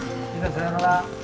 さようなら。